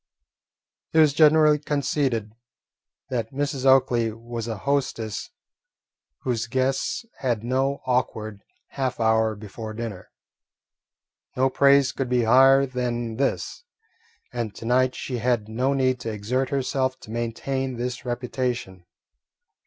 It was generally conceded that Mrs. Oakley was a hostess whose guests had no awkward half hour before dinner. No praise could be higher than this, and to night she had no need to exert herself to maintain this reputation.